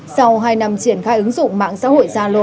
sau hai năm triển khai ứng dụng mạng xã hội zalo